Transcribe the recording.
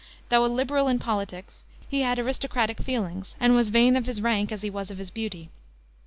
Though a liberal in politics he had aristocratic feelings, and was vain of his rank as he was of his beauty.